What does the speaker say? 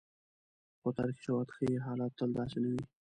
خو تاریخي شواهد ښيي، حالت تل داسې نه وي.